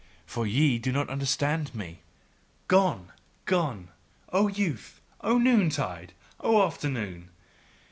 For ye do not understand me! Gone! Gone! O youth! O noontide! O afternoon!